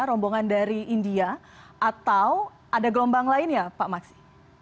rombongan dari india atau ada gelombang lain ya pak maksi